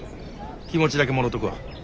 気持ちだけもろとくわ。